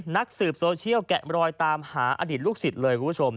นักสืบโซเชียลแกะมรอยตามหาอดีตลูกศิษย์เลยคุณผู้ชม